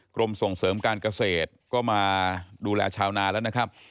กรมส่งเสริมการเกษตรก็มาดูแลชาวนานแล้วนะครับ